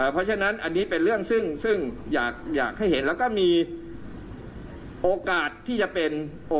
เพราะฉะนั้นอันนี้เป็นเรื่องซึ่งอยากให้เห็น